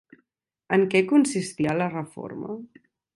En què consistia la reforma?